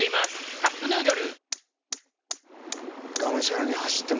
「カップヌードル」